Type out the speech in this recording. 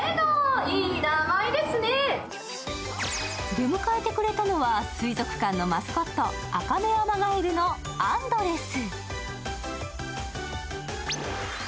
出迎えてくれたのは水族館のマスコット、アカメアマガエルのアンドレス。